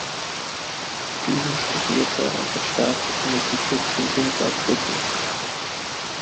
Düben studierte an der Staatlichen Musikhochschule Saarbrücken.